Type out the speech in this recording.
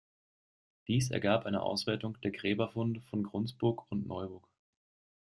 Dies ergab eine Auswertung der Gräberfunde von Günzburg und Neuburg.